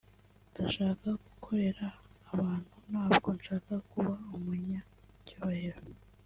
ndashaka gukorera abantu ntabwo nshaka kuba umunyacyubahiro”